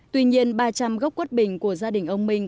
tuy nhiên ba trăm linh gốc quất bình của gia đình ông minh